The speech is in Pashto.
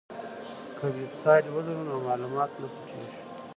که ویبسایټ ولرو نو معلومات نه پټیږي.